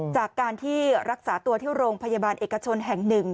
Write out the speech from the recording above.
จากการที่รักษาตัวที่โรงพยาบาลเอกชนแห่ง๑